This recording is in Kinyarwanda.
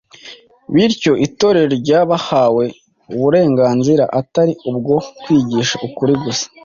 Bityo Itorero ryabahawe uburenganzira, atari ubwo kwigisha ukuri gusa,